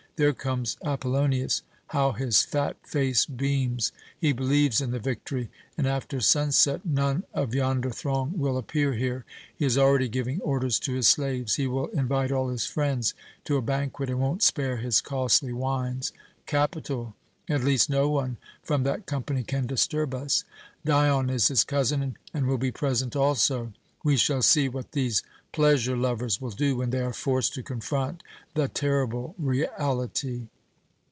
There comes Apollonius. How his fat face beams! He believes in the victory, and after sunset none of yonder throng will appear here; he is already giving orders to his slaves. He will invite all his friends to a banquet, and won't spare his costly wines. Capital! At least no one from that company can disturb us. Dion is his cousin, and will be present also. We shall see what these pleasure lovers will do when they are forced to confront, the terrible reality."